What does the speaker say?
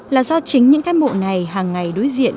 là do chính những cán bộ này hàng ngày đối diện